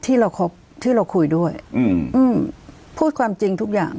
ที่เราครบที่เราคุยด้วยอืมอืมพูดความจริงทุกอย่าง